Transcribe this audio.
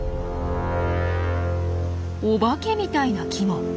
お化けみたいな木も。